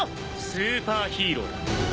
「スーパーヒーローだ」